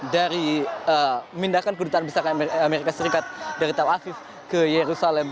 dari memindahkan kedutaan besar amerika serikat dari tel aviv ke yerusalem